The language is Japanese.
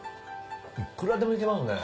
いくらでもいけますね。